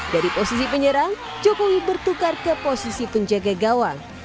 dari posisi penyerang jokowi bertukar ke posisi penjaga gawang